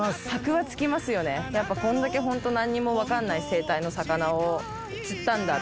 やっぱこれだけホントなんにもわかんない生態の魚を釣ったんだ！